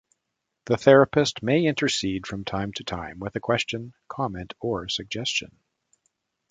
The therapist may intercede from time to time with a question, comment, or suggestion.